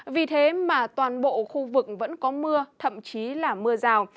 vì thế mà toàn bộ khu vực vẫn có mưa thậm chí là mưa rào